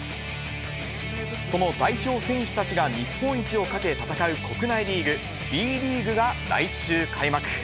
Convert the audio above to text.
その代表選手たちが日本一をかけ戦う国内リーグ、Ｂリーグが来週開幕。